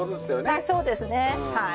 あっそうですねはい。